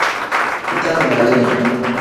Bitangbalini.